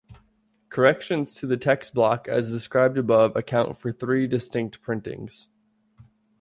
Corrections to the text block as described above account for three distinct printings.